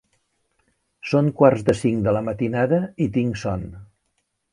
Són quarts de cinc de la matinada i tinc son.